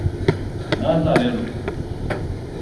Nazareno